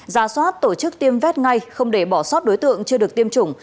ra soát tổ chức tiêm vét ngay không để bỏ sót đối tượng chưa được tiêm chủng